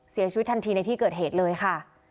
เสียชีวิตทันทีในที่เกิดเหตุเลยค่ะ